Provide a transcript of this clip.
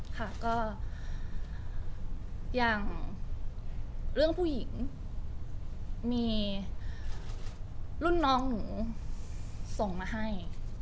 ค่ะก็อย่างเรื่องผู้หญิงมีรุ่นน้องหนูส่งมาให้